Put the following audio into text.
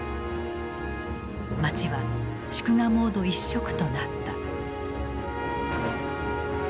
街は祝賀モード一色となった。